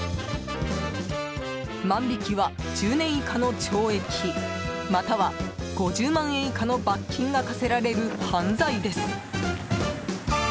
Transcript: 万引きは１０年以下の懲役または、５０万円以下の罰金が科せられる犯罪です。